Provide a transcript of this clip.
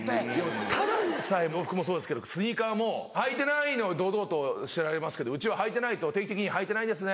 ただでさえ洋服もそうですけどスニーカーも履いてないの堂々としてられますけどうちは履いてないと定期的に履いてないですね